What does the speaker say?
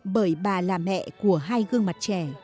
bởi bà là mẹ của hai gương mặt trẻ